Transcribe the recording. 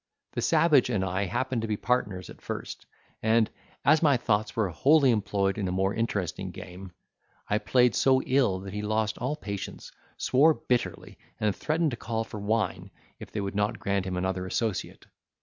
The savage and I happened to be partners at first, and, as my thoughts were wholly employed in a more interesting game, I played so ill that he lost all patience, swore bitterly, and threatened to call for wine, if they would not grant him another associate.